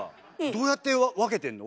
どうやって分けてんの？